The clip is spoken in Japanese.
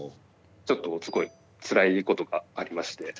ちょっとすごいつらいことがありまして。